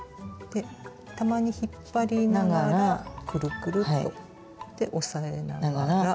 たまに引っ張りながらくるくるっと。で押さえながら。